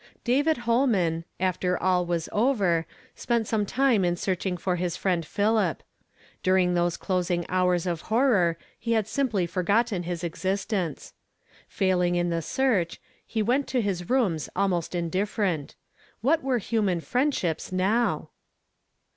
David Holman, after all was over, spent some tune in searching for his friend PhiKp. Dunne, those closing houi s of horror he had ^simply for gotten his existence. Failing in the search, he went to his rooms almost indifferent. What were human friendships now